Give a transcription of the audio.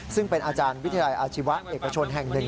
ซึ่งเป็นอาจารย์วิทยาลัยอาชีวะเอกชนแห่งหนึ่ง